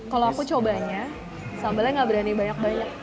kalau aku cobanya sambalnya nggak berani banyak banyak